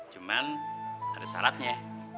cuman ada syaratnya